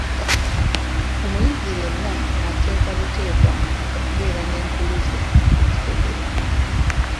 Omuyizi yenna ateekwa buteekwa okubeera n'enkuluze ku lusegere.